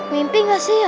mimpi gak sih ya